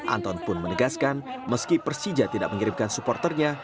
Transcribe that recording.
anton pun menegaskan meski persija tidak mengirimkan supporternya